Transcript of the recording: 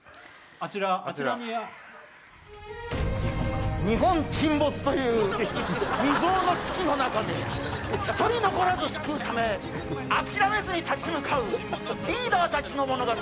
あちらにあちら日本沈没という未曾有の危機の中で１人残らず救うため諦めずに立ち向かうリーダー達の物語